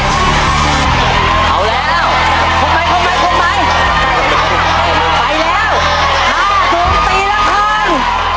แต่ตัวนี้ที่อีกคนมีทุกนุงแรก